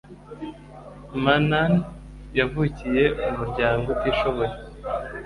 Mannan yavukiye mu muryango utishoboye